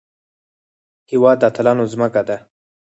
هېواد د اتلانو ځمکه ده